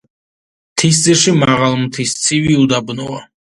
მთისძირში მაღალმთის ცივი უდაბნოა.